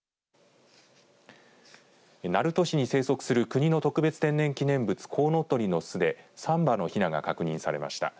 鳴門市に生息する国の特別天然記念物こうのとりの巣で３羽のひなが確認されました。